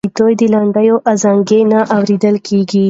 دوی د لنډۍ ازانګې نه اورېدلې.